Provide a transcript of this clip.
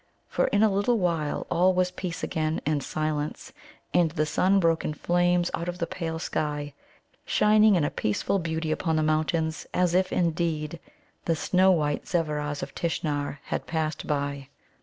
For in a little while all was peace again and silence. And the sun broke in flames out of the pale sky, shining in peaceful beauty upon the mountains, as if, indeed, the snow white Zevveras of Tishnar had passed by.